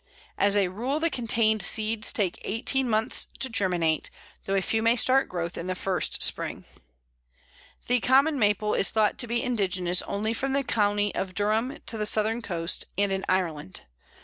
As a rule the contained seeds take eighteen months to germinate, though a few may start growth the first spring. The Common Maple is thought to be indigenous only from the county of Durham to the southern coast, and in Ireland.